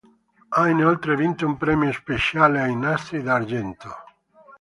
Ha inoltre vinto un premio speciale ai Nastri d'argento.